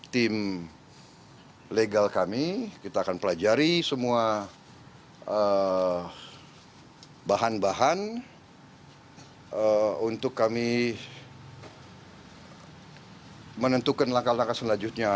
tim legal kami kita akan pelajari semua bahan bahan untuk kami menentukan langkah langkah selanjutnya